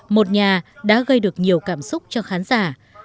một nhà đã gây được nhiều cảm xúc cho khán giả